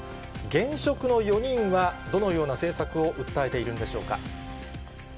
現職の４人はどのような政策を訴えているんでしょうか。